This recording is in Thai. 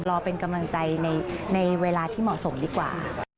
รอเป็นกำลังใจในเวลาที่เหมาะสมดีกว่า